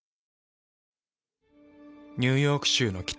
ニューヨーク州の北。